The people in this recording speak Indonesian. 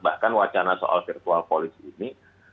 bahkan wacana soal virtual policy ini